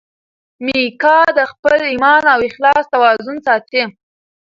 میکا د خپل ایمان او اخلاص توازن ساتي.